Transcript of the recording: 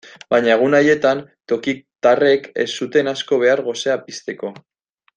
Baina egun haietan tokiotarrek ez zuten asko behar gosea pizteko.